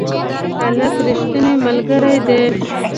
هلک رښتینی ملګری دی.